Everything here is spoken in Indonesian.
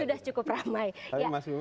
sudah cukup ramai